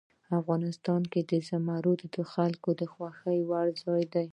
افغانستان کې زمرد د خلکو د خوښې وړ ځای دی.